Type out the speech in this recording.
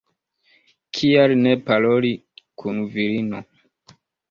Kial ne paroli kun virino?